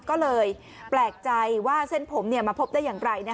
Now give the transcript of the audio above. ก็เลยแปลกใจว่าเส้นผมมาพบได้อย่างไร